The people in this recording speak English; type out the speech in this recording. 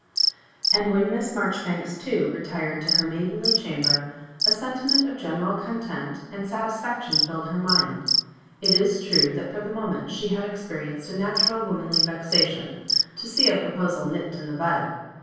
And when Miss Marjoribanks too retired to her maidenly chamber, a sentiment of general content and satisfaction filled her mind. It is true that for the moment she had experienced a natural womanly vexation, to see a proposal nipped in the bud.